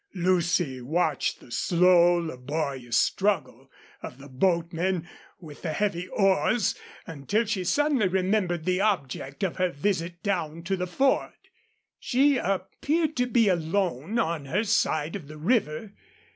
Lucy watched the slow, laborious struggle of the boatmen with the heavy oars until she suddenly remembered the object of her visit down to the ford. She appeared to be alone on her side of the river.